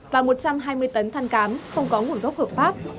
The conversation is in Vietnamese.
và một trăm hai mươi tấn than cám không có nguồn gốc hợp pháp